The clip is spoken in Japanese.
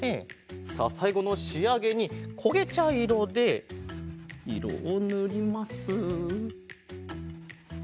さあさいごのしあげにこげちゃいろでいろをぬります。